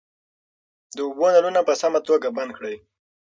د اوبو نلونه په سمه توګه بند کړئ.